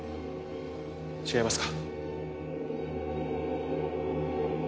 違いますか？